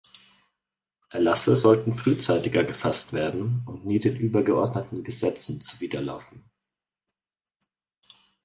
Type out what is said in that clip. Erlasse sollten frühzeitiger gefasst werden und nie den übergeordneten Gesetze zuwiderlaufen.